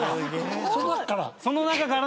その中から？